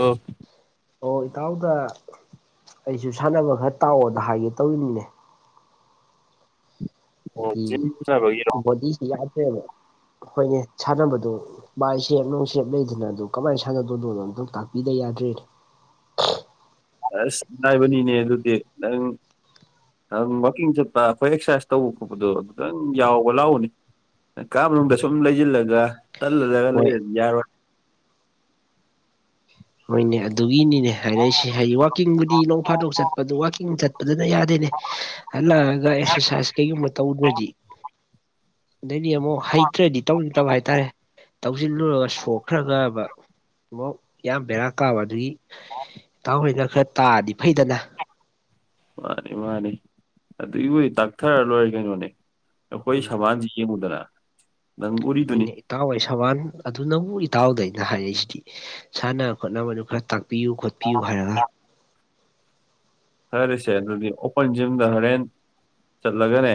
ꯑ‌ꯣ ꯑꯣ ꯏꯇꯥꯎꯗ ꯑꯩꯁꯨ ꯁꯥꯟꯅꯕ ꯈꯔ ꯇꯥꯛꯑꯣꯗ ꯍꯥꯏꯒꯦ ꯇꯧꯔꯤꯅꯤꯅꯦ ꯑꯣ ꯍꯥꯏꯗꯤ ꯖꯤꯝ ꯆꯠꯅꯕꯒꯤꯔꯣ ꯕꯣꯗꯤꯁꯨ ꯌꯥꯗ꯭ꯔꯦꯕ ꯍꯣꯏꯅꯦ ꯁꯥꯟꯅꯕꯗꯣ ꯚꯥꯏ ꯁꯦꯞ ꯅꯨꯡ ꯁꯦꯞ ꯂꯩꯗꯅ ꯑꯗꯨ ꯀꯃꯥꯏꯅ ꯁꯥꯟꯅꯗꯣꯏꯅꯣꯅꯣ ꯑꯝꯇꯪ ꯇꯥꯛꯄꯤꯗ ꯌꯥꯗ꯭ꯔꯦꯅꯦ ꯑꯁ ꯅꯥꯏꯕꯅꯤꯅꯦ ꯑꯗꯨꯗꯤ ꯅꯪ ꯍꯝ ꯋꯥꯛꯀꯤꯡ ꯆꯠꯄ ꯑꯩꯈꯣꯏ ꯑꯦꯛꯁꯔꯁꯥꯏꯖ ꯇꯧꯕ ꯈꯣꯠꯄꯗꯣ ꯑꯗꯨꯗꯪ ꯌꯥꯎꯕ ꯂꯥꯎꯎꯅꯦ ꯀꯥ ꯃꯅꯨꯡꯗ ꯁꯨꯝ ꯂꯩꯖꯤꯜꯂꯒ ꯇꯜꯂꯂꯒ ꯍꯣꯏ ꯂꯩꯔꯗꯤ ꯌꯥꯔꯣꯏ ꯍꯣꯏꯅꯦ ꯑꯗꯨꯒꯤꯅꯤꯅꯦ ꯍꯥꯏꯔꯛꯏꯁꯦ ꯍꯩ ꯋꯥꯛ ꯀꯤꯡꯕꯗꯤ ꯅꯣꯡ ꯐꯥꯗꯣꯛ ꯆꯠꯄꯗꯨ ꯋꯥꯛꯀꯤꯡ ꯆꯠꯄꯗꯨꯅ ꯌꯥꯗꯦꯅꯦ ꯍꯥꯜꯂꯛꯑꯒ ꯑꯦꯛꯁꯔꯁꯥꯏꯁ ꯀꯩꯒꯨꯝꯕ ꯇꯧꯗ꯭ꯔꯗꯤ ꯑꯗꯩꯗꯤ ꯑꯃꯨꯛ ꯍꯩꯇ꯭ꯔꯗꯤ ꯇꯧꯅꯤꯡ ꯇꯕ ꯍꯥꯏꯇꯥꯔꯦ ꯇꯧꯁꯤꯜꯂꯨꯔꯒ ꯁꯣꯛꯈ꯭ꯔꯒꯕ ꯃꯨꯛ ꯌꯥꯝ ꯕꯦꯔꯥ ꯀꯥꯕ ꯑꯗꯨꯒꯤ ꯏꯇꯥꯎꯍꯣꯏꯅ ꯈꯔ ꯇꯥꯛꯑꯗꯤ ꯐꯩꯗꯅ ꯃꯥꯅꯤ ꯃꯥꯅꯤ ꯑꯗꯨꯒꯤꯕꯨꯗꯤ ꯇꯥꯛꯊꯔ ꯂꯣꯏꯔꯦ ꯀꯩꯅꯣꯅꯦ ꯑꯩꯈꯣꯏ ꯎꯝ ꯁꯕꯥꯟꯁꯤ ꯌꯦꯡꯉꯨꯗꯅ ꯅꯪ ꯎꯔꯤꯗꯨꯅꯤ ꯍꯣꯏꯅꯦ ꯏꯇꯥꯎ ꯍ‌ꯣꯏ ꯁꯕꯥꯟ ꯑꯗꯨꯅꯕꯨ ꯏꯇꯥꯎꯗ ꯑꯩꯅ ꯍꯥꯏꯔꯛꯏꯁꯤꯗꯤ ꯁꯥꯟꯅ ꯈꯣꯠꯅꯕꯗꯨ ꯈꯔ ꯇꯥꯛꯄꯤꯌꯨ ꯈꯣꯠꯄꯤꯌꯨ ꯍꯥꯏꯔꯒ ꯐꯔ‌ꯦꯁꯦ ꯑꯗꯨꯗꯤ ꯑꯣꯄꯟ ꯖꯤꯝꯗ ꯍꯣꯔꯦꯟ ꯆꯠꯂꯒꯅꯦ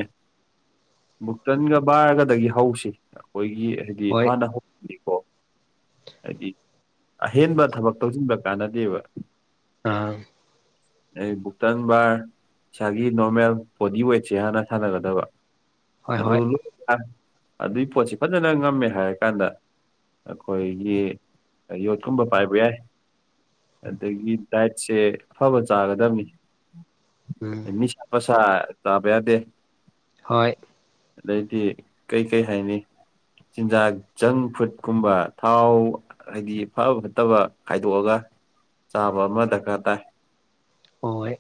ꯃꯨꯛꯇꯟꯒ ꯕꯥꯔꯒꯗꯒꯤ ꯍꯧꯁꯤ ꯑꯩꯈꯣꯏꯒꯤ ꯍꯥꯏꯗꯤ ꯍꯣꯏ ꯍꯥꯟꯅ ꯍꯧ [unintelligible] ꯅꯤꯀꯣ ꯍꯥꯏꯗꯤ ꯑꯍꯦꯟꯕ ꯊꯕꯛ ꯇꯧꯁꯤꯟꯕ ꯀꯥꯟꯅꯗꯦꯕ ꯑꯥ ꯑꯩ ꯕꯨꯨꯛꯇꯪ ꯕꯥꯔ ꯏꯁꯥꯒꯤ ꯅꯣꯔꯃꯦꯜ ꯕꯣꯗꯤ ꯋꯦꯠꯁꯦ ꯍꯥꯟꯅ ꯁꯥꯟꯅꯒꯗꯕ ꯍꯣꯏ ꯍꯣꯏ ꯑꯗꯨꯂꯨ ꯍ ꯑꯗꯨꯏ ꯄꯣꯠꯁꯤ ꯐꯖꯅ ꯉꯝꯃꯦ ꯍꯥꯏꯔꯀꯥꯟꯗ ꯑꯩꯈꯣꯏꯒꯤ ꯌꯣꯠꯀꯨꯝꯕ ꯄꯥꯏꯕ ꯌꯥꯏ ꯑꯗꯒꯤ ꯗꯥꯏꯠꯁꯦ ꯑꯐꯕ ꯆꯥꯒꯗꯝꯅꯤ ꯎꯝ ꯅꯤꯁꯥ ꯄꯁꯥ ꯇꯥꯕ ꯌꯥꯗꯦ ꯍꯣꯏ ꯑꯗꯩꯗꯤ ꯀꯩꯀꯩ ꯍꯥꯏꯅꯤ ꯆꯤꯟꯖꯥꯛ ꯖꯪ ꯐꯨꯗ ꯀꯨꯝꯕ ꯊꯥꯎ ꯍꯥꯏꯗꯤ ꯐꯕ ꯐꯠꯇꯕ ꯈꯥꯏꯗꯣꯛꯑꯒ ꯆꯥꯕ ꯑꯃ ꯗꯔꯀꯥꯔ ꯇꯥꯏ ꯍꯣꯏ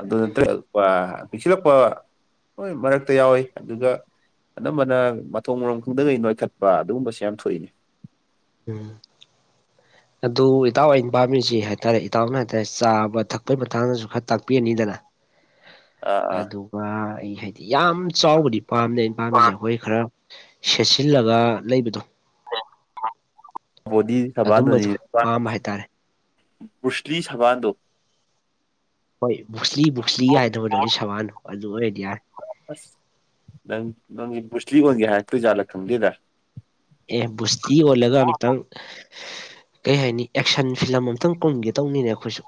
ꯑꯗꯨ ꯅꯠꯇ꯭ꯔ ꯑꯜꯄꯥ ꯄꯤꯛꯁꯤꯜꯂꯛꯄ ꯍꯣꯏ ꯃꯔꯛꯇ ꯌꯥꯎꯏ ꯑꯗꯨꯒ ꯑꯅꯝꯕꯅ ꯃꯊꯣꯡ ꯃꯔꯝ ꯈꯪꯗꯒꯩ ꯅꯣꯏꯈꯠꯄ ꯑꯗꯨꯒꯨꯝꯕꯁꯦ ꯌꯥꯝ ꯊꯣꯛꯏꯅꯦ ꯎꯝ ꯑꯗꯨ ꯏꯇꯥꯎ ꯑꯩꯅ ꯄꯥꯝꯃꯤꯁꯤ ꯍꯥꯏꯇꯥꯔꯦ ꯏꯇꯥꯎꯅ ꯍꯥꯏꯇꯥꯔꯦ ꯆꯥꯕ ꯊꯛꯄꯒꯤ ꯃꯇꯥꯡꯗꯁꯨ ꯈꯔ ꯇꯥꯛꯄꯤꯔꯅꯤꯗꯅ ꯑꯥ ꯑꯗꯨ ꯋꯥ ꯑꯩ ꯍꯥꯏꯗꯤ ꯌꯥꯝ ꯆꯥꯎꯕꯗꯤ ꯄꯥꯝꯅ ꯑꯩꯅ ꯑꯥ ꯄꯥꯝꯃꯤꯁꯦ ꯈꯣꯏ ꯈꯔ ꯁꯦꯠꯆꯤꯜꯂꯒ ꯂꯩꯕꯗꯣ ꯕꯣꯗꯤ ꯁꯕꯥꯟꯗꯨ ꯑꯗꯨꯝꯕꯗꯣ ꯅꯤꯄꯥꯟ ꯄꯥꯝꯕ ꯍꯥꯏꯇꯥꯔꯦ ꯕꯨ꯭ꯔꯁꯂꯤ ꯁꯕꯥꯟꯗꯣ ꯍꯣꯏ ꯕꯨꯛꯁꯂꯤ ꯕꯨꯛꯁꯂꯤꯒ ꯍꯥꯏꯗꯕꯗꯣ ꯁꯕꯥꯟꯅꯣ ꯑꯗꯨ ꯑꯣꯏꯔꯗꯤ ꯌꯥꯔꯦ ꯑꯁ ꯅꯪ ꯅꯪꯒꯤ ꯕꯨꯁꯂꯤ ꯑꯣꯟꯒꯦ ꯍꯥꯏꯔꯛꯇꯣꯏꯖꯥꯠꯂ ꯈꯪꯗꯦꯗ ꯑꯦ ꯕꯨꯁꯇꯤ ꯑꯣꯜꯂꯒ ꯑꯝꯇꯪ ꯀꯩ ꯍꯥꯏꯅꯤ ꯑꯦꯛꯁꯟ ꯐꯤꯂꯝ ꯑꯝꯇꯪ ꯀꯨꯝꯒꯦ ꯇꯧꯅꯤꯅꯦ ꯑꯩꯈꯣꯏꯁꯨ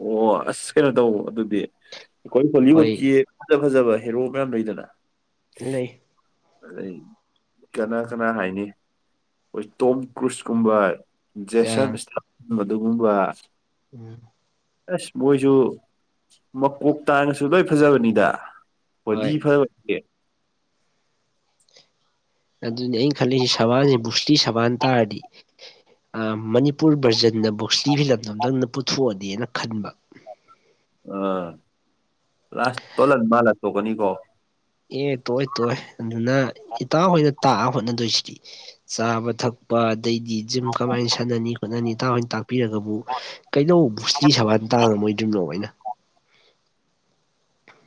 ꯑꯣ ꯑꯁ ꯀꯩꯅꯣ ꯇꯧ ꯑꯗꯨꯗꯤ ꯑꯩꯈꯣꯏ ꯍꯣꯏ ꯍꯣꯂꯤꯋꯨꯠꯀꯤ ꯐꯖ ꯐꯖꯕ ꯍꯦꯔꯣ ꯃꯌꯥꯝ ꯂꯩꯗꯅ ꯂꯩ ꯑꯗꯩ ꯀꯅꯥ ꯀꯅꯥ ꯍꯥꯏꯅꯤ ꯑꯣꯏ ꯇꯣꯝ ꯀ꯭ꯔꯨꯁꯀꯨꯝꯕ ꯖꯦꯁꯟ ꯑꯥ ꯏꯁꯂꯝ ꯑꯗꯨꯒꯨꯝꯕ [unintelligible] ꯑꯁ ꯃꯣꯏꯖꯨ ꯃꯀꯣꯛ ꯇꯥꯡꯉꯁꯨ ꯂꯣꯏ ꯐꯖꯕꯅꯤꯗ ꯍꯣꯏ ꯕꯣꯗꯤ ꯐꯕ ꯑꯦ ꯑꯗꯨꯅꯤ ꯑꯩꯅ ꯈꯜꯂꯤꯖꯦ ꯁꯕꯥꯟꯖꯦ ꯕꯨꯨꯁꯂꯤ ꯁꯕꯥꯟ ꯇꯥꯔꯗꯤ ꯑ ꯃꯅꯤꯄꯨꯔ ꯚꯔꯖꯟꯅ ꯕꯣꯛꯁꯂꯤ ꯐꯤꯂꯝꯗꯨ ꯑꯝꯇꯪꯅ ꯄꯨꯊꯣꯛꯑꯗꯤꯅ ꯈꯟꯕ ꯑ ꯂꯥꯁ ꯇꯣꯂꯜ ꯃꯥꯜꯂ ꯇꯣꯛꯀꯅꯤ ꯀꯣ ꯑꯦ ꯇꯣꯛꯑꯣꯏ ꯇꯣꯏ ꯑꯗꯨꯅ ꯏꯇꯥꯎ ꯍꯣꯏꯅ ꯇꯥꯛꯑ ꯍꯣꯠꯅꯗꯣꯏꯁꯤꯗꯤ ꯆꯥꯕ ꯊꯛ ꯀꯄ ꯑꯗꯩꯗꯤ ꯖꯤꯝ ꯀꯃꯥꯏꯅ ꯁꯥꯟꯅꯅꯤ ꯈꯣꯠꯅꯅꯤ ꯇꯧꯔ ꯇꯥꯛ ꯄꯤꯔꯒꯕꯨ ꯀꯩꯗꯧ ꯕꯨꯁꯂꯤ ꯁꯕꯥꯟ ꯇꯥꯉꯝꯃꯣꯏꯗꯣꯏꯅꯣ ꯑꯩꯅ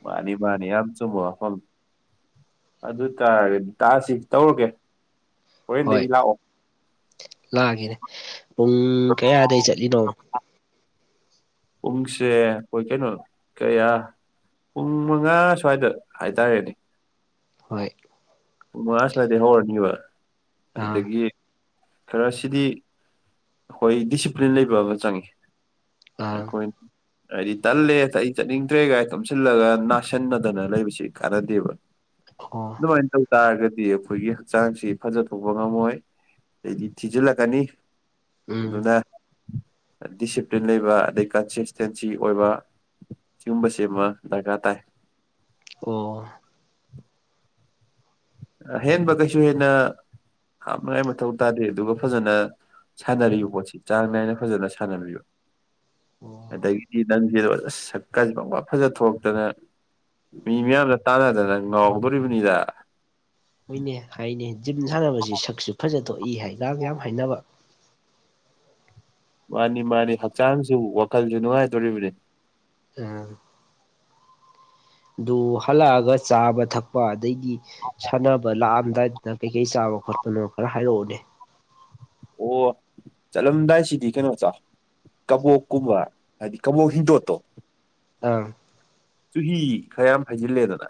ꯃꯥꯅꯤ ꯃꯥꯅꯤ ꯌꯥꯝ ꯆꯨꯝꯕ ꯋꯥꯐꯝ ꯑꯗꯨ ꯇꯥꯔꯒꯗꯤ ꯗꯥꯟꯁ ꯍꯦꯛꯇ ꯇꯧꯔꯒꯦ ꯍꯣꯏ ꯍꯣꯔꯦꯟꯗꯒꯤ ꯂꯥꯛꯑꯣ ꯂꯥꯛꯑꯒꯦꯅꯦ ꯄꯨꯡ ꯀꯌꯥꯗꯒꯤ ꯆꯠꯂꯤꯅꯣ ꯎ [unintelligible] ꯄꯨꯡꯁꯦ ꯑꯩꯈꯣꯏ ꯀꯩꯅꯣ ꯀꯌꯥ ꯄꯨꯡ ꯃꯉꯥ ꯁ꯭ꯋꯥꯏꯗ ꯍꯥꯏꯇꯥꯔꯦꯅꯦ ꯍꯣꯏ ꯄꯨꯡ ꯃꯉꯥ ꯁ꯭ꯋꯥꯏꯗꯩ ꯍꯧꯔꯅꯤꯕ ꯑꯥ ꯑꯗꯒꯤ ꯈꯔ ꯁꯤꯗꯤ ꯑꯩꯈꯣꯏ ꯗꯤꯁꯤꯄ꯭ꯂꯤꯟ ꯂꯩꯕ ꯑꯃ ꯆꯪꯏ ꯑꯥ ꯑꯩꯈꯣꯏ ꯍꯥꯏꯗꯤ ꯇꯟꯂꯦ ꯑꯩ ꯆꯠꯅꯤꯡꯗ꯭ꯔꯦꯒꯥꯏ ꯇꯨꯝꯁꯤꯜꯂꯒ ꯅꯥꯁꯤꯟꯅꯗꯅ ꯂꯩꯕꯁꯤ ꯀꯥꯟꯅꯗꯦꯕ ꯑꯣꯑꯣ ꯍꯣꯔꯦꯡ ꯇꯧ ꯇꯥꯔꯒꯗꯤ ꯑꯩꯈꯣꯏꯒꯤ ꯍꯛꯆꯥꯡꯁꯤ ꯐꯖꯊꯣꯛꯄ ꯉꯝꯃꯣꯏ ꯑꯗꯩꯗꯤ ꯊꯤꯖꯤꯜꯂꯛꯀꯅꯤ ꯎꯝ ꯑꯗꯨꯅ ꯗꯤꯁꯤꯄ꯭ꯂꯤꯟ ꯂꯩꯕ ꯑꯗꯩ ꯀꯟꯁꯤꯁꯇꯦꯟꯁꯤ ꯑꯣꯏꯕ ꯁꯤꯎꯝꯕꯁꯤꯃ ꯗꯔꯀꯥꯔ ꯇꯥꯏ ꯑꯣ ꯑꯍꯦꯟꯕꯗꯩꯁꯨ ꯍꯦꯟꯅ ꯍꯥꯞꯅꯤꯉꯥꯏ ꯃꯊꯧ ꯇꯥꯗꯦ ꯑꯗꯨꯒ ꯐꯖꯅ ꯁꯥꯟꯅꯔꯤꯕ ꯄꯣꯠꯁꯤ ꯆꯥꯡ ꯅꯥꯏꯅ ꯐꯖꯅ ꯁꯥꯟꯅꯕꯤꯕ ꯑꯣ ꯑꯗꯒꯤꯗꯤ ꯅꯪ ꯑꯁ ꯁꯛ ꯀꯥꯁꯤ ꯄꯪꯐ ꯐꯖ ꯊꯣꯛꯇꯅ ꯃꯤ ꯃꯌꯥꯝꯅ ꯇꯥꯟꯅꯗꯅ ꯉꯥꯎꯗꯣꯔꯤꯕꯅꯤꯗ ꯍꯣꯏꯅꯦ ꯍꯥꯏꯅꯦ ꯖꯤꯝ ꯁꯥꯟꯅꯕꯁꯤ ꯁꯛꯁꯨ ꯐꯖ ꯊꯣꯛꯏ ꯍꯥꯏꯒ ꯌꯥꯝ ꯍꯥꯏꯅꯕ ꯃꯥꯅꯤ ꯃꯥꯅꯤ ꯍꯛꯆꯥꯡꯁꯨ ꯋꯥꯈꯜꯁꯨ ꯅꯨꯡꯉꯥꯏꯗꯣꯔꯤꯕꯅꯤ ꯑ ꯑꯗꯨ ꯍꯜꯂꯛꯑꯒ ꯆꯥꯕ ꯊꯛꯄ ꯑꯗꯒꯤ ꯁꯥꯟꯅꯕ ꯑ ꯂꯥꯛꯑꯝꯗꯥꯏꯗ ꯀꯩ ꯀꯩ ꯆꯥꯕ ꯈꯣꯠꯄꯅꯣ ꯈꯔ ꯍꯥꯏꯔꯛꯑꯣꯅꯦ ꯑꯣ ꯆꯠꯂꯝꯗꯥꯏꯁꯤꯗꯤ ꯀꯩꯅꯣ ꯆꯥꯎ ꯀꯕꯣꯛꯀꯨꯝꯕ ꯍꯥꯏꯗꯤ ꯀꯕꯣꯛ ꯍꯤꯡꯗꯣꯠꯇꯣ ꯑ ꯆꯨꯍꯤ ꯈꯔꯌꯥꯝ ꯍꯩꯖꯤꯜꯂꯦꯗꯅ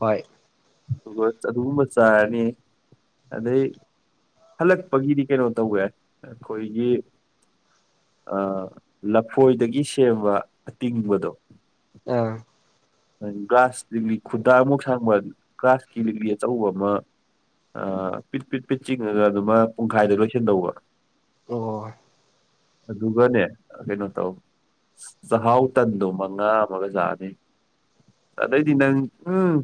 ꯍꯣꯏ ꯑꯗꯨꯒ ꯑꯗꯨꯒꯨꯝꯕ ꯆꯥꯔꯅꯤ ꯑꯗꯩ ꯍꯜꯂꯛꯄꯒꯤꯗꯤ ꯀꯩꯅꯣ ꯇꯧꯕ ꯌꯥꯏ ꯑꯩꯈꯣꯏꯒꯤ ꯑ ꯂꯐꯣꯏꯗꯒꯤ ꯁꯦꯝꯕ ꯑꯇꯤꯡꯕꯗꯣ ꯑ ꯒ꯭ꯔꯥꯁ ꯂꯤꯛꯂꯤ ꯈꯨꯟꯗꯥꯃꯨꯛ ꯁꯥꯡꯕ ꯒ꯭ꯔꯥꯁꯀꯤ ꯂꯤꯛꯂꯤ ꯑꯆꯧꯕ ꯑꯃ ꯑ ꯄꯤꯠ ꯄꯤꯠ ꯄꯤꯠ ꯆꯤꯡꯉꯒ ꯑꯗꯨꯃ ꯄꯨꯡꯈꯥꯏꯗ ꯂꯣꯏꯁꯤꯟꯗꯧꯕ ꯑꯣ ꯑꯗꯨꯒꯅꯦ ꯀꯩꯅꯣ ꯇꯧ ꯆꯍꯥꯎ ꯇꯟꯗꯨ ꯃꯉꯥ ꯑꯃꯒ ꯆꯥꯅꯤ ꯑꯗꯩꯗꯤ ꯅꯪ ꯎꯝ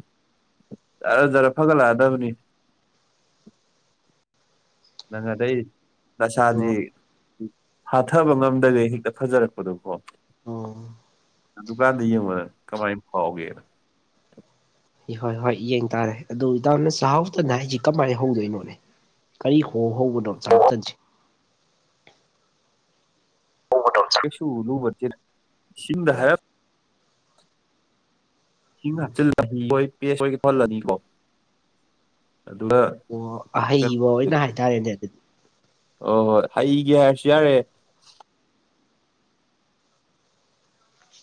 ꯖꯔ ꯖꯔ ꯐꯒꯠꯂꯛꯑꯗꯕꯅꯤ ꯅꯪ ꯑꯗꯩ ꯅꯁꯥꯗꯤ ꯑꯣ ꯍꯥꯊꯕ ꯉꯝꯗꯒꯩ ꯍꯦꯛꯇ ꯐꯖꯔꯛꯄꯗꯨ ꯀꯣ ꯑꯣ ꯑꯗꯨꯀꯥꯟꯗ ꯌꯦꯡꯉꯣꯗ ꯀꯃꯥꯏꯅ ꯐꯥꯎꯒꯦꯅ ꯏꯍꯣꯏ ꯍꯣꯏ ꯌꯦꯡ ꯇꯥꯔꯦ ꯑꯗꯨ ꯏꯇꯥꯎꯅ ꯆꯍꯥꯎ ꯇꯟ ꯍꯥꯏꯁꯤ ꯀꯃꯥꯏꯅ ꯍꯧꯗꯣꯏꯅꯣꯅꯦ ꯀꯔꯤ ꯍꯣ ꯍꯧꯕꯅꯣ ꯆꯍꯥꯎ ꯇꯟꯁꯤ ꯀꯩꯁꯨ ꯂꯕꯇꯦꯗ ꯏꯁꯤꯡꯗ ꯍꯥꯏꯔꯞ ꯏꯁꯤꯡ ꯍꯥꯞꯆꯤꯜꯂ ꯄꯦꯁ ꯑꯣꯏ ꯇꯧꯍꯜꯂꯅꯤꯀꯣ ꯑꯗꯨꯒ ꯑꯣ ꯑꯍꯩꯕ ꯑꯣꯏꯅ ꯍꯥꯏꯇꯥꯔꯦꯅꯦ ꯑꯗꯨꯗꯤ ꯑꯣ ꯍꯣꯏ ꯍꯩꯒꯦ ꯍꯥꯏꯔꯁꯨ ꯌꯥꯔꯦ꯫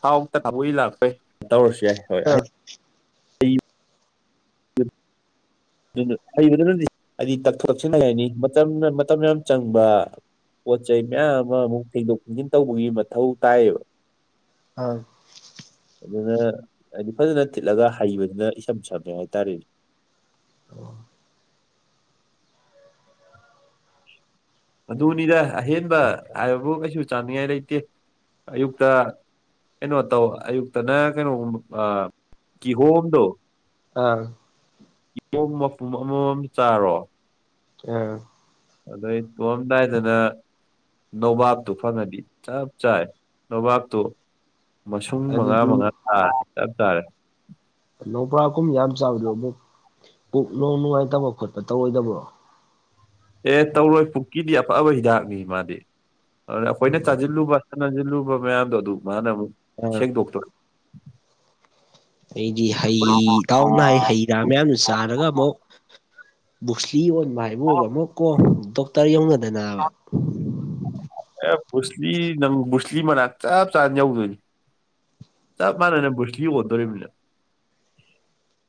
ꯊꯥꯎ ꯇꯥꯕꯣꯏ ꯂꯥꯛꯄꯣꯏ ꯇꯧꯔꯁꯨ ꯌꯥꯏ ꯍꯣꯏ ꯍꯩ꯫ ꯑꯥ ꯑꯗꯨ ꯍꯩꯕꯗꯨꯅꯗꯤ ꯍꯥꯏꯗꯤ ꯇꯛꯊꯣꯛ ꯇꯛꯁꯤꯟ ꯂꯥꯏꯔꯅꯤ ꯃꯇꯝ ꯃꯇꯝ ꯌꯥꯝ ꯆꯪꯕ꯫ ꯄꯣꯠ ꯆꯩ ꯃꯌꯥꯝ ꯑꯃ ꯑꯃꯨꯛ ꯐꯦꯡꯗꯣꯛ ꯐꯦꯡꯖꯤꯟ ꯇꯧꯕꯒꯤ ꯃꯊꯧ ꯇꯥꯏꯌꯦꯕ꯫ ꯑ꯫ ꯑꯗꯨꯅ ꯍꯥꯏꯗꯤ ꯐꯖꯅ ꯊꯤꯠꯂꯒ ꯍꯩꯕꯗꯨꯅ ꯏꯁꯝ ꯁꯝꯃꯦ ꯍꯥꯏꯇꯥꯔꯦꯅꯦ꯫ ꯑꯣ꯫ ꯑꯗꯨꯅꯤꯗ ꯑꯍꯦꯟꯕ ꯍꯥꯏꯕꯕꯨ ꯀꯩꯁꯨ ꯆꯥꯅꯤꯡꯉꯥꯏ ꯂꯩꯇꯦ ꯑꯌꯨꯛꯇ ꯀꯩꯅꯣ ꯇꯧ ꯑꯌꯨꯛꯇꯅ ꯀꯩꯅꯣꯒꯨꯝ ꯑ ꯀꯤꯍꯣꯝꯗꯣ ꯑ ꯃꯄꯨꯝ ꯑꯃꯃꯝ ꯆꯥꯔꯣ ꯑ ꯑꯗꯩ ꯇꯣꯑꯝꯗꯥꯏꯗꯅ ꯅꯣꯕꯥꯥꯛꯇꯨ ꯐꯪꯉꯗꯤ ꯆꯞ ꯆꯥꯏ ꯅꯣꯕꯥꯥꯞꯇꯨ ꯃꯁꯨꯡ ꯃꯉꯥ ꯑꯗꯨꯗꯤ ꯃꯉꯥ [unintelligible] ꯆꯞꯆꯥꯔꯦ꯫ ꯅꯣꯕꯥꯝ ꯀꯨꯝ ꯌꯥꯝ ꯆꯥꯕꯗꯣ ꯑꯃꯨꯛ ꯄꯨꯛ ꯅꯣꯡ ꯅꯨꯡꯉꯥꯏꯇꯕ ꯈꯣꯠꯄ ꯇꯧꯔꯣꯏꯗꯕ꯭ꯔꯣ꯫ ꯑꯦ ꯇꯧꯔꯣꯏ ꯄꯨꯛꯀꯤꯗꯤ ꯑꯐꯕ ꯍꯤꯗꯥꯛꯅꯤ ꯃꯥꯗꯤ ꯑꯗꯨꯅ ꯑꯩꯈꯣꯏꯅ ꯆꯥꯖꯤꯜꯂꯨꯕ ꯍꯥꯟꯅꯁꯤꯜꯂꯨꯕ ꯃꯌꯥꯝꯗꯣ ꯑꯗꯨ ꯃꯥꯅ ꯑꯃꯨꯛ ꯑꯥ ꯁꯦꯡꯗꯣꯛꯇ [unintelligible] ꯑꯩꯗꯤ ꯍꯩ ꯇꯥꯎꯅꯥꯏ ꯍꯩ ꯃꯌꯥꯝ ꯃꯌꯥꯝꯅ ꯆꯥꯔꯒ ꯑꯃꯨꯛ ꯕꯨꯛꯁꯂꯤ ꯑꯣꯟꯕ ꯍꯥꯏꯕꯨꯕ ꯑꯃꯨꯛ ꯀꯣ ꯇꯣ [unintelligible] ꯇꯔ ꯌꯧꯅꯗꯅꯕ ꯑꯦ ꯕꯨꯁꯂꯤ ꯅꯪ ꯕꯨꯁꯂꯤ ꯃꯅꯥꯛ ꯆꯞ ꯆꯥꯅ ꯌꯧꯗꯣꯏꯅꯤ ꯆꯞ ꯃꯥꯟꯅꯅ ꯕꯨꯁꯂꯤ ꯑꯣꯟꯗꯧꯔꯤꯃꯤꯅ [unintelligible]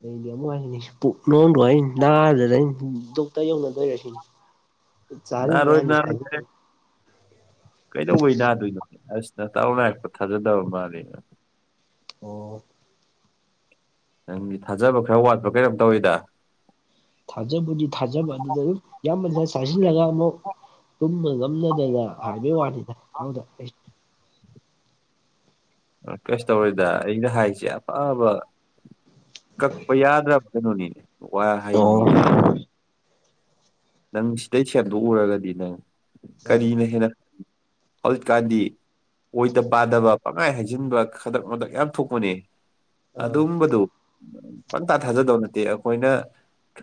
ꯑꯩꯗꯤ ꯑꯃꯨꯛ ꯍꯥꯏꯅꯤ ꯄꯨꯛꯅꯣꯡꯗꯣ ꯑꯩ ꯅꯥꯗꯅꯩ ꯗꯣꯛꯇꯔ ꯌꯧꯅꯗꯣꯏꯔꯁꯤꯅꯤ꯫ ꯆꯥꯔꯤ ꯅꯥꯔꯣꯏ ꯃꯌꯥꯝ ꯅꯥꯔꯣꯏ [unintelligible] ꯀꯩꯗꯧꯕꯩ ꯅꯥꯗꯣꯏꯅꯣ ꯑꯁ ꯅꯇꯥꯎꯅ ꯍꯥꯏꯔꯛꯄ ꯊꯥꯖꯗꯕ ꯃꯥꯜꯂꯤ꯫ ꯑꯣ꯫ ꯅꯪ ꯊꯥꯖꯕ ꯈꯔ ꯋꯥꯠꯄꯔ ꯀꯩꯅꯝ ꯇꯧꯏꯗ꯫ ꯊꯥꯖꯕꯨꯗꯤ ꯊꯥꯖꯕ ꯑꯗꯨꯗ ꯑꯗꯨꯝ ꯌꯥꯝꯃꯟꯅ ꯆꯥꯁꯤꯜꯂꯒ ꯑꯃꯨꯛ ꯇꯨꯝꯕ ꯉꯝ꯫ ꯁꯝꯅꯗꯅ ꯍꯥꯏꯕꯩ ꯋꯥꯅꯤꯗ ꯅꯥꯎꯗ꯫ ꯔꯤꯀ꯭ꯋꯦꯁ ꯇꯧꯔꯤꯗ ꯑꯩꯅ ꯍꯥꯏꯖꯦ ꯑꯐꯕ ꯀꯛꯄ ꯌꯥꯗ꯭ꯔꯕ ꯀꯩꯅꯣꯅꯦ ꯋꯥ ꯑꯣ ꯍꯥꯏꯅꯤꯅꯦ ꯑꯩꯅ [unintelligible] ꯅꯪ ꯁꯤꯗꯩ ꯁꯦꯝꯗꯣꯛꯎꯔꯒꯗꯤ ꯅꯦ ꯑꯥ ꯀꯔꯤꯅ ꯍꯦꯟꯅ ꯍꯧꯖꯤꯛꯀꯥꯟꯗꯤ ꯑꯣꯏꯗ ꯄꯥꯗꯕ ꯄꯪꯍꯥꯏ ꯍꯥꯏꯖꯤꯟꯕ ꯈꯗꯔꯛ ꯃꯗꯛ ꯌꯥꯝ ꯊꯣꯛꯄꯅꯦ ꯑꯥ ꯑꯗꯨꯝꯕꯗꯨ ꯄꯪꯇꯥ ꯊꯥꯖꯗꯧ ꯅꯠꯇꯦ ꯑꯩꯈꯣꯏꯅ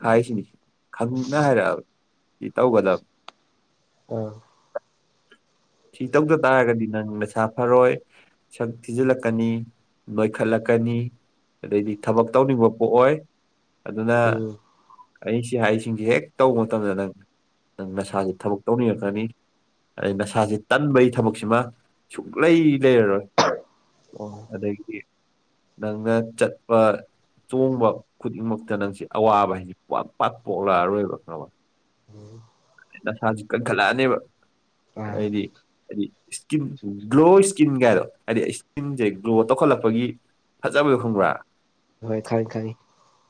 ꯍꯥꯏꯁꯤꯅꯤ ꯈꯪꯅ ꯍꯥꯏꯔꯛꯑꯕ ꯁꯤ ꯇꯧꯒꯗꯕ ꯑꯥ [unintelligible] ꯁꯤ ꯇꯧꯗ ꯇꯥꯔꯒꯗꯤ ꯅꯪ ꯅꯁꯥ ꯐꯔꯣꯏ ꯁꯛ ꯊꯤꯖꯤꯜꯂꯛꯀꯅꯤ ꯅꯣꯏꯈꯠꯂꯛꯀꯅꯤ ꯑꯗꯩꯗꯤ ꯊꯕꯛ ꯇꯧꯅꯤꯡꯕ ꯄꯣꯛꯑꯣꯏ ꯑꯗꯨꯅ ꯎꯝ ꯑꯩ ꯁꯤ ꯍꯥꯏꯁꯤꯡꯁꯦ ꯍꯦꯛ ꯇꯧꯕ ꯃꯇꯝꯗ ꯅꯪ ꯅꯪ ꯅꯁꯥꯥꯁꯨ ꯊꯕꯛ ꯇꯧꯅꯤꯡꯉꯛꯀꯅꯤ ꯑꯩ ꯅꯁꯥꯥꯁꯦ ꯇꯟꯕꯩ ꯊꯕꯛꯁꯤꯃ ꯁꯨꯛꯂꯩ ꯂꯩꯔꯔꯣꯏ ꯑꯣ [unintelligible] ꯑꯗꯒꯤ ꯅꯪꯅ ꯆꯠꯄ ꯆꯣꯡꯕ ꯈꯨꯗꯤꯡꯃꯛꯇ ꯅꯪꯁꯤ ꯑꯋꯥꯕ ꯍꯥꯏꯗꯣ ꯄꯥꯛ ꯄꯥꯛ ꯄꯣꯛꯂꯛꯑꯔꯣꯏꯕ ꯈꯪꯉꯕ [unintelligible] ꯅꯁꯥꯁꯨ ꯀꯟꯈꯠꯂꯛꯑꯅꯦꯕ ꯑꯥ ꯑꯩꯗꯤ ꯏꯁꯀꯤꯟ ꯒ꯭ꯂꯣ ꯏꯁꯀꯤꯟ ꯀꯥꯏꯗꯣ ꯍꯥꯏꯗꯤ ꯏꯁꯀꯤꯟꯁꯦ ꯒ꯭ꯂꯣ ꯇꯧꯈꯠꯂꯛꯄꯒꯤ ꯐꯖꯕꯗꯣ ꯈꯪꯕ꯭ꯔꯥ ꯍꯣꯏ ꯈꯪꯉꯤ ꯈꯪꯉꯤ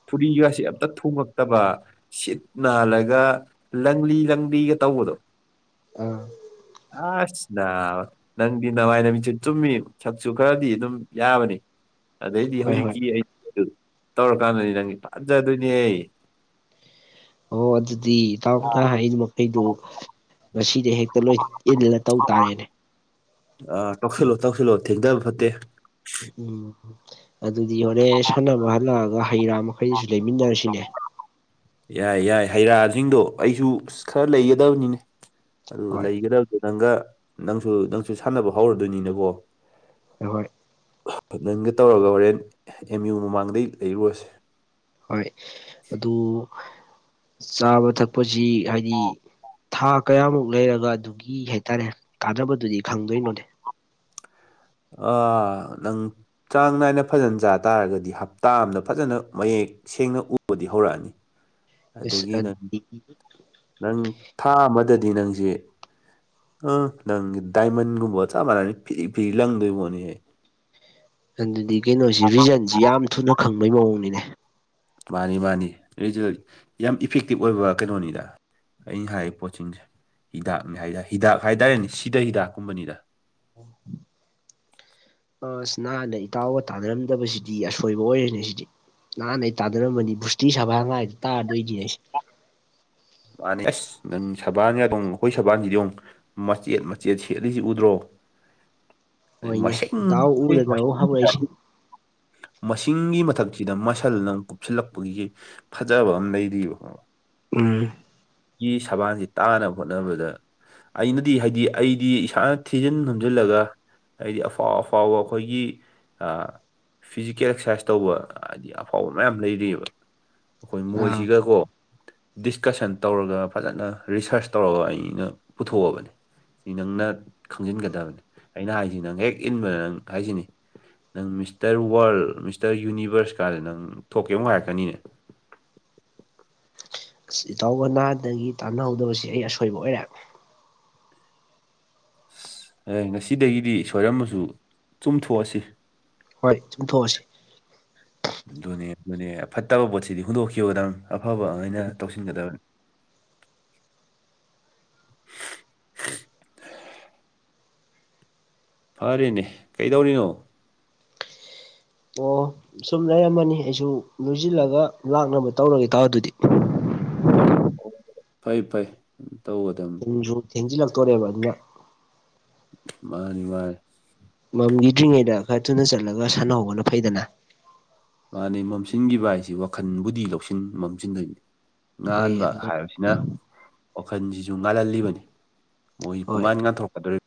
ꯐꯨꯔꯤꯒꯁꯤ ꯑꯝꯇ ꯊꯨꯡꯉꯛꯇꯕ ꯁꯤꯠ ꯅꯥꯜꯂꯒ ꯂꯪꯂꯤ ꯂꯪꯂꯤꯒ ꯇꯧꯕꯗꯣ ꯑꯥ ꯑꯁ ꯅꯥꯕ [unintelligible] ꯅꯪꯗꯤ ꯅꯃꯥꯏ ꯅꯃꯤꯠꯆꯨ ꯆꯨꯝꯃꯤ ꯁꯛꯁꯨ ꯈꯔꯗꯤ ꯑꯗꯨꯝ ꯌꯥꯕꯅꯤ ꯑꯗꯩꯗꯤ ꯍꯣꯏ ꯍꯣꯏ ꯍꯧꯖꯤꯛꯀꯤ ꯑꯩ [unintelligible] ꯗꯨ ꯇꯧꯔꯀꯥꯟꯗꯅꯤ ꯅꯪ ꯐꯖꯗꯣꯏꯅꯤ ꯍꯦ ꯑꯣ ꯑꯗꯨꯗꯤ ꯏꯇꯥꯎꯅ ꯍꯥꯏꯔꯤꯕ ꯃꯈꯩꯗꯣ ꯉꯁꯤ ꯇꯦ ꯍꯦꯛꯇ ꯂꯣꯏ ꯏꯜꯂ ꯇꯧ ꯇꯥꯔꯦꯅꯦ ꯑ ꯇꯧꯁꯜꯂꯣ ꯇꯧꯁꯜꯂꯣ ꯊꯦꯡꯊꯕ ꯐꯠꯇꯦ ꯎꯝ ꯑꯗꯨꯗꯤ ꯍꯣꯔꯦꯟ ꯁꯥꯟꯅꯕ ꯍꯜꯂꯛꯑꯒ ꯍꯩ ꯔꯥ ꯃꯈꯩꯗꯨꯁꯨ ꯂꯩꯃꯤꯟꯅꯔꯁꯤꯅꯦ ꯌꯥꯏ ꯌꯥꯏ ꯍꯩ ꯔꯥꯁꯤꯡꯗꯣ ꯑꯩꯁꯨ ꯈꯔ ꯂꯩꯒꯗꯕꯅꯤꯅꯦ ꯑꯗꯨ ꯍꯣꯏ ꯂꯩꯒꯗꯕꯗꯣ ꯅꯪꯒ ꯅꯪꯁꯨ ꯅꯪꯁꯨ ꯁꯥꯟꯅꯕ ꯍꯧꯔꯗꯣꯏꯅꯤꯅꯀꯣ ꯍꯣꯏ ꯍꯣꯏ ꯅꯪꯒ ꯇꯧꯔꯒ ꯍꯣꯔꯦꯟ ꯑꯦꯝ ꯌꯨ ꯃꯃꯥꯡꯗꯩ ꯂꯩꯔꯨꯔꯁꯦ ꯍꯣꯏ ꯑꯗꯨ ꯆꯥꯕ ꯊꯛꯄꯁꯤ ꯍꯥꯏꯗꯤ ꯊꯥ ꯀꯌꯥꯃꯨꯛ ꯂꯩꯔꯒ ꯑꯗꯨꯒꯤ ꯍꯥꯏꯇꯥꯔꯦ ꯀꯥꯟꯅꯕꯗꯨꯗꯤ ꯈꯪꯗꯣꯏꯅꯣꯅꯦ ꯑꯥ ꯅꯪ ꯆꯥꯡ ꯅꯥꯏꯅ ꯐꯖꯅ ꯆꯥ ꯇꯥꯔꯒꯗꯤ ꯍꯞꯇꯥ ꯑꯝꯗ ꯐꯖꯅ ꯃꯌꯦꯛ ꯁꯦꯡꯅ ꯎꯕꯗꯤ ꯍꯧꯔꯛꯑꯅꯤ [inaudible] ꯑꯗꯒꯤ ꯅꯪ ꯑꯗꯨꯗꯤ ꯅꯪ ꯊꯥ ꯑꯃꯗꯗꯤ ꯅꯪꯁꯦ ꯑ ꯂꯪꯒꯤ ꯗꯥꯏꯃꯟꯒꯨꯝꯕ ꯆꯞ ꯃꯥꯟꯅꯩ ꯐꯤꯔꯤ ꯐꯤꯔꯤ ꯂꯪꯗꯣꯏꯕꯣꯠꯅꯤꯍꯦ ꯑꯗꯨꯗꯤ ꯀꯩꯅꯣꯁꯤ ꯔꯤꯖꯟꯁꯤ ꯌꯥꯝ ꯊꯨꯅ ꯈꯪꯕꯩ ꯃꯑꯣꯡꯅꯤꯅꯦ ꯃꯥꯅꯤ ꯃꯥꯅꯤ ꯔꯤꯖꯜ ꯌꯥꯝ ꯏꯐꯦꯛꯇꯤꯞ ꯑꯣꯏꯕ ꯀꯩꯅꯣꯅꯤꯗ ꯑꯩꯅ ꯍꯥꯏꯔꯤꯕ ꯄꯣꯠꯁꯤꯡꯁꯦ ꯍꯤꯗꯥꯛꯅꯤ ꯍꯥꯏꯇꯥꯔꯦ ꯍꯤꯗꯥꯛ ꯍꯥꯏꯇꯥꯔꯦꯅꯦ ꯁꯤꯗ ꯍꯤꯗꯥꯛꯀꯨꯝꯕꯅꯤꯗ [unintelligible] ꯑꯁ ꯅꯥꯍꯟꯗꯩ ꯏꯇꯥꯎꯒ ꯇꯥꯟꯅꯔꯝꯗꯕꯁꯤꯗꯤ ꯑꯁꯣꯏꯕ ꯑꯣꯏꯔꯅꯦ ꯁꯤꯗꯤ ꯅꯍꯥꯟ ꯑꯩ ꯇꯥꯅꯔꯝꯃꯅꯤ [unintelligible] ꯃꯥꯅꯦ ꯑꯁ ꯅꯪ ꯁꯕꯥꯟ ꯌꯥꯗꯣꯡ ꯑꯩꯈꯣꯏ ꯁꯕꯥꯟꯁꯤꯗꯤ ꯌꯦꯡ ꯃꯆꯦꯠ ꯃꯆꯦꯠ ꯁꯦꯠꯂꯤꯁꯤ ꯎꯗ꯭ꯔꯣ ꯑꯣꯏꯅꯦ ꯃꯁꯤꯡ ꯏꯇꯥꯎ ꯎꯗꯅꯕꯨ ꯍꯧꯔꯏꯁꯤꯅꯤ ꯃꯁꯤꯡꯒꯤ ꯃꯊꯛꯁꯤꯗ ꯃꯁꯜꯅꯃꯨꯛ ꯀꯨꯞꯁꯤꯜꯂꯛꯄꯒꯤ ꯐꯖꯕ ꯑꯃ ꯂꯩꯔꯤꯕ [unintelligible] ꯎꯝ ꯒꯤ ꯁꯕꯥꯟꯁꯤ ꯇꯥꯅꯕ ꯍꯣꯠꯅꯕꯗ ꯑꯩꯅꯗꯤ ꯍꯥꯏꯗꯤ ꯑꯩꯗꯤ ꯏꯁꯥꯅ ꯊꯤꯖꯤꯟ ꯍꯨꯝꯖꯤꯜꯂꯒ ꯍꯥꯏꯗꯤ ꯑꯐꯥꯎ ꯑꯐꯥꯎꯕ ꯑꯩꯈꯣꯏꯒꯤ ꯑ ꯐꯤꯖꯤꯀꯦꯜ ꯑꯦꯛꯁꯔꯁꯥꯏꯁ ꯇꯧꯕ ꯍꯥꯏꯗꯤ ꯑꯐꯥꯎꯕ ꯃꯌꯥꯝ ꯂꯩꯔꯤꯑꯕ ꯑꯩꯈꯣꯏ ꯑꯥ ꯃꯣꯏꯁꯤꯒꯀꯣ ꯗꯤꯁꯀꯁꯟ ꯇꯧꯔꯒ ꯐꯖꯅ ꯔꯤꯁꯔꯁ ꯇꯧꯔꯒ ꯑꯩꯅ ꯄꯨꯊꯣꯛꯑꯕꯅꯤ ꯁꯤ ꯅꯪꯅ ꯈꯪꯖꯤꯟꯒꯗꯕꯅꯤ ꯑꯩꯅ ꯍꯥꯏꯁꯤ ꯅꯪ ꯍꯦꯛ ꯏꯟꯕꯗ ꯅꯪ ꯍꯥꯏꯁꯤꯅꯤ ꯅꯪ ꯃꯤꯁꯇꯔ ꯋꯥꯔꯜ ꯃꯤꯁꯇꯔ ꯌꯨꯅꯤꯕꯔꯁꯀꯥꯟ ꯅꯪ ꯊꯣꯛꯀꯦ ꯑꯃꯨꯛ ꯍꯥꯏꯔꯛꯀꯅꯤꯅꯦ ꯑꯁ ꯏꯇꯥꯎꯒꯅꯥꯗꯒꯤ ꯇꯥꯟꯅꯍꯧꯗꯕꯕꯁꯤ ꯑꯩ ꯑꯁꯣꯏꯕ ꯑꯣꯏꯔꯦ ꯑꯁ ꯑꯦ ꯉꯁꯤꯗꯒꯤꯗꯤ ꯁꯣꯏꯔꯝꯃꯁꯨ ꯆꯨꯝꯊꯣꯛꯑꯁꯤ ꯍꯣꯏ ꯆꯨꯝꯊꯣꯛꯑꯁꯤ ꯑꯗꯨꯅꯦ ꯑꯗꯨꯅꯦ ꯐꯠꯇꯕ ꯄꯣꯠꯁꯤꯗꯤ ꯍꯨꯟꯗꯣꯛꯈꯤꯕꯗꯝ ꯑꯐꯕ ꯑꯣꯏꯅ ꯇꯧꯁꯤꯟꯒꯗꯕꯅꯦ ꯐꯔꯦꯅꯦ ꯀꯩꯗꯧꯔꯤꯅꯣ ꯑꯣ ꯁꯨꯝ ꯂꯩꯔꯝꯃꯅꯤ ꯑꯩꯁꯨ ꯂꯣꯏꯁꯤꯜꯂꯒ ꯂꯥꯛꯅꯕ ꯇꯧꯔꯒꯦ ꯏꯇꯥꯎ ꯑꯗꯨꯗꯤ ꯐꯩ ꯐꯩ ꯇꯧꯒꯗꯕꯅꯤ ꯄꯨꯡꯁꯨ ꯊꯦꯡꯖꯤꯜꯂꯛꯇꯣꯔꯦꯕ ꯑꯗꯨꯅ ꯃꯥꯅꯤ ꯃꯥꯅꯤ ꯃꯝꯒꯤ ꯗ꯭ꯔꯤꯉꯩꯗ ꯈꯔ ꯊꯨꯅ ꯆꯠꯂꯒ ꯁꯥꯟꯅꯍꯧꯕꯅ ꯐꯩꯗꯅ ꯃꯥꯅꯦ ꯃꯝꯁꯤꯟꯈꯤꯕ ꯍꯥꯏꯁꯤ ꯋꯥꯈꯟꯕꯨꯗꯤ ꯂꯧꯁꯤꯡ ꯃꯝꯁꯤꯟꯗꯣꯏꯅꯤ ꯍꯣꯏ ꯉꯥꯟꯕ ꯑꯗꯨꯅ ꯍꯥꯏꯕꯁꯤꯅ ꯋꯥꯈꯜꯁꯤꯁꯨ ꯉꯥꯜꯍꯜꯂꯤꯕꯅꯤ ꯃꯣꯏꯒꯤ ꯍꯣꯏ ꯄꯨꯡꯉꯥꯟ ꯉꯥꯟꯊꯣꯔꯛꯀꯗꯣꯔꯤ